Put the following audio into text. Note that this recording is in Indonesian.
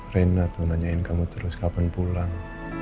rena tuh nanyain kamu terus kapan pulang